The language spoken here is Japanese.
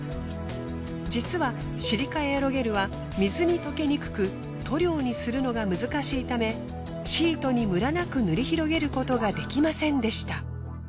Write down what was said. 実はシリカエアロゲルは水に溶けにくく塗料にするのが難しいためシートにムラなく塗り広げることが出来ませんでした。